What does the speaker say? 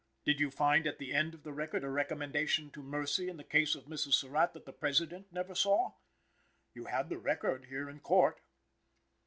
Did you find at the end of the record a recommendation to mercy in the case of Mrs. Surratt that the President never saw? You had the record here in Court.